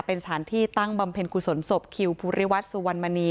เป็นสถานที่ตั้งบำเพ็ญกุศลศพคิวภูริวัตรสุวรรณมณี